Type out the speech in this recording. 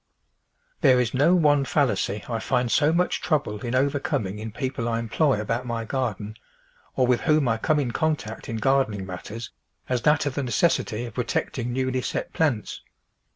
There is no one fallacy I find so much trouble in overcoming in people I employ about my gar den, or with whom I come in contact in gardening THE VEGETABLE GARDEN matters, as that of the necessity of protecting newly set plants.